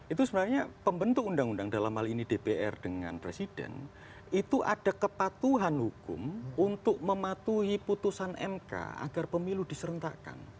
itu sebenarnya pembentuk undang undang dalam hal ini dpr dengan presiden itu ada kepatuhan hukum untuk mematuhi putusan mk agar pemilu diserentakkan